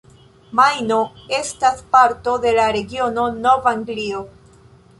Majno estas parto de la regiono Nov-Anglio.